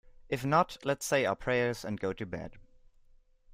If not, let's say our prayers and go to bed.